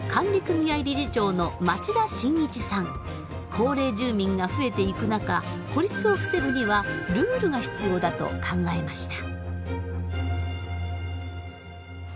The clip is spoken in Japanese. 高齢住民が増えていく中孤立を防ぐにはルールが必要だと考えました。